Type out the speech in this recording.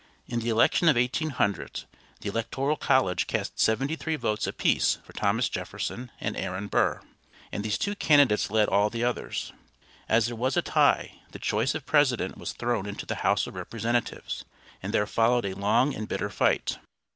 In the election of 1800 the Electoral College cast seventy three votes apiece for Thomas Jefferson and Aaron Burr, and these two candidates led all the others. As there was a tie, the choice of President was thrown into the House of Representatives, and there followed a long and bitter fight.